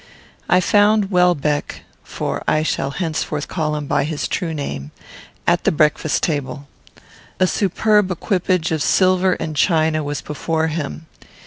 I found Welbeck (for I shall henceforth call him by his true name) at the breakfast table. A superb equipage of silver and china was before him.